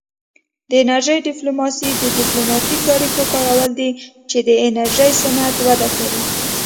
د انرژۍ ډیپلوماسي د ډیپلوماتیکو اړیکو کارول دي چې د انرژي صنعت وده کوي